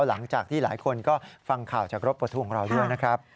หลังจากที่หลายคนก็ฟังข่าวจากรถปลดทุกข์ของเราด้วยนะครับ